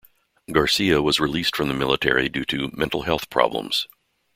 Garcia was released from the military due to "mental health problems".